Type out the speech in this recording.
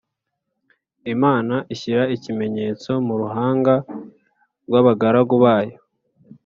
Imana ishyira ikimenyetso mu ruhanga rw’abagaragu bayo